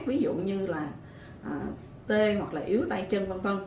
ví dụ như là t hoặc là yếu tay chân v v